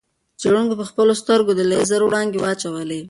څېړونکو پر خپلو سترګو د لېزر وړانګې واچولې.